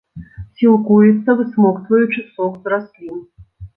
Сілкуецца, высмоктваючы сок з раслін.